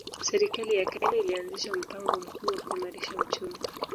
Serikali ya Kenya ilianzisha mpango mkuu wa kuimarisha uchumi